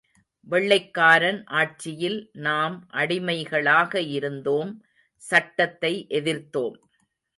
வெள்ளைக்காரன் ஆட்சியில் நாம் அடிமைகளாக இருந்தோம், சட்டத்தை எதிர்த்தோம்.